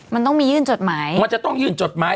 มันจะต้องมียื่นจดหมาย